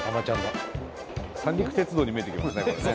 三陸鉄道に見えてきますね